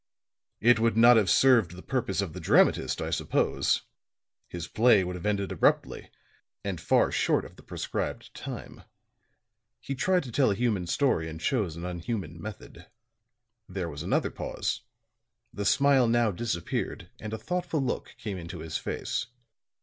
"It would not have served the purpose of the dramatist, I suppose; his play would have ended abruptly, and far short of the prescribed time. He tried to tell a human story and chose an unhuman method." There was another pause; the smile now disappeared and a thoughtful look came into his face.